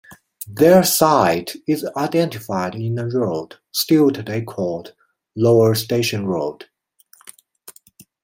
Their site is identified in a road still today called Lower Station Road.